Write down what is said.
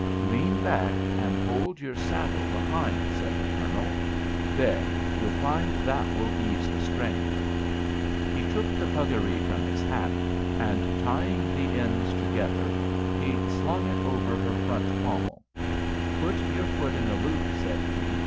"Lean back, and hold your saddle behind," said the Colonel. "There, you'll find that will ease the strain." He took the puggaree from his hat, and, tying the ends together, he slung it over her front pommel. "Put your foot in the loop," said he.